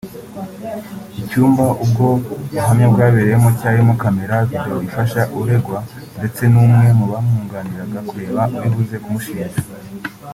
Icyumba ubwo buhamya bwabereyemo cyarimo kamera video ifasha uregwa ndetse n’umwe mu bamwunganira kureba uribuze kumushinja